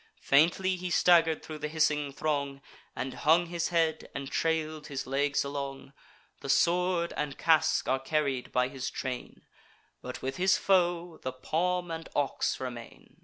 Faintly he stagger'd thro' the hissing throng, And hung his head, and trail'd his legs along. The sword and casque are carried by his train; But with his foe the palm and ox remain.